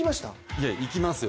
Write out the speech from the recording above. いや、いきますよ。